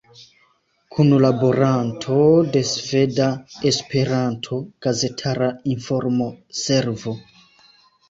Kunlaboranto de Sveda-Esperanto Gazetara Informo-Servo.